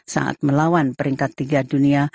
saat melawan peringkat tiga dunia